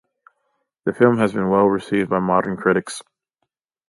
The film has been well received by modern critics.